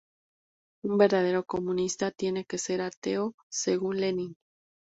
Un verdadero comunista tiene que ser ateo según Lenin.